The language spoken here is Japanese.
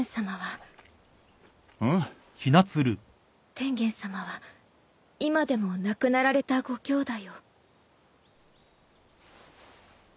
天元さまは今でも亡くなられたごきょうだいを。